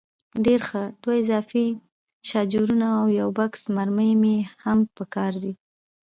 ډېر ښه، دوه اضافي شاجورونه او یو بکس مرمۍ مې هم په کار دي.